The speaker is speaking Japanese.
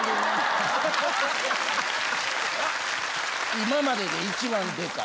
今までで一番デカい。